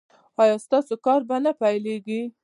ایا ستاسو کار به نه پیلیږي؟